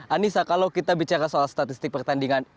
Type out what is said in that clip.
anissa kalau kita bicara soal statistik pertandingan